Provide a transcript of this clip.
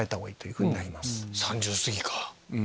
３０過ぎか。